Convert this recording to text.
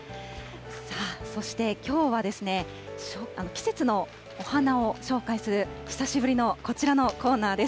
そして、きょうは季節のお花を紹介する、久しぶりのこちらのコーナーです。